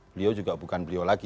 beliau juga bukan beliau lagi